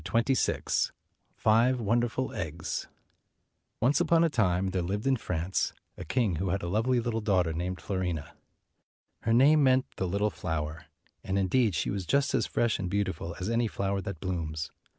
21 1 212 FIVE WONDERFUL EGGS. Once upon a time there lived in France a king who had a lovely little daughter named Fiorina. Her name meant "the Little Flower," and in deed she was just as fresh and beautiful as any flower that blooms.